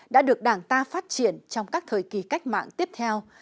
đã được đảng ta phát triển trong các thời kỳ cách mạng tiếp theo